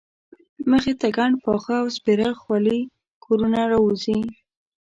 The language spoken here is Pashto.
مخې ته ګڼ پاخه او سپېره خولي کورونه راوځي.